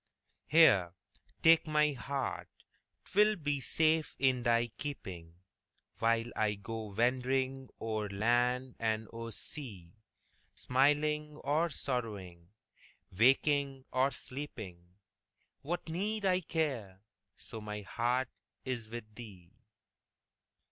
Here, take my heart 'twill be safe in thy keeping, While I go wandering o'er land and o'er sea; Smiling or sorrowing, waking or sleeping, What need I care, so my heart is with thee?